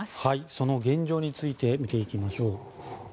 その現状について見ていきましょう。